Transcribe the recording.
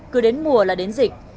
cứ đến mùa là đến dịch